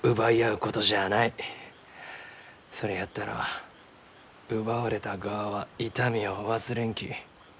それやったら奪われた側は痛みを忘れんき。